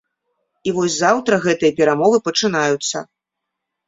І вось заўтра гэтыя перамовы пачынаюцца.